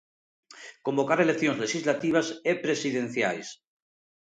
Convocar eleccións lexislativas e presidenciais.